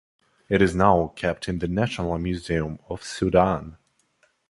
It is now kept in the National Museum of Sudan.